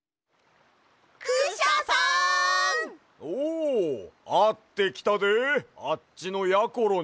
おあってきたであっちのやころに。